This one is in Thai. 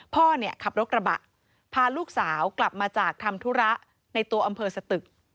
พ่อเนี่ยขับรถกระบะพาลูกสาวกลับมาจากทำธุระในตัวอำเภอสตึก